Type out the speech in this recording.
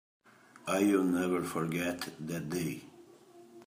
I will never forget that day.